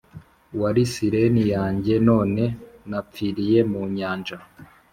"wari siren yanjye, none napfiriye mu nyanja